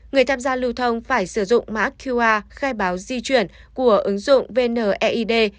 người tham gia lưu thông phải sử dụng mã qr khai báo di chuyển của ứng dụng vneid